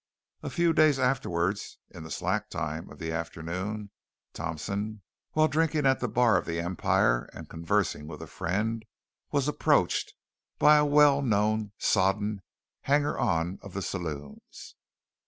A few days afterward in the slack time of the afternoon Thompson, while drinking at the bar of the Empire and conversing with a friend, was approached by a well known sodden hanger on of the saloons.